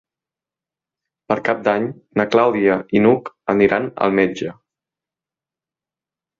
Per Cap d'Any na Clàudia i n'Hug aniran al metge.